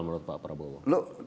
menurut pak prabowo